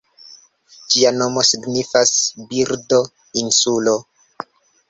Ĝia nomo signifas "Birdo-insulo".